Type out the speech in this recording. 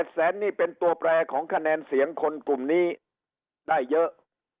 แสนนี่เป็นตัวแปรของคะแนนเสียงคนกลุ่มนี้ได้เยอะ